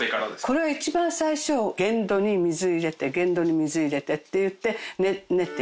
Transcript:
これは一番最初原土に水入れて原土に水入れてっていって練っていく。